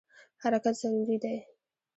حرکت ضروري دی.